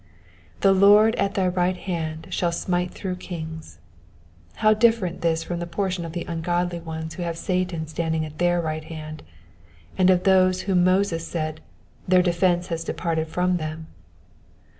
*' The Lord at thy right hand shall smite through kings." How different this from the portion of the ungodly ones who have Satan standing at their right hand, and of those of whom Moses said, '* their defence has departed from them."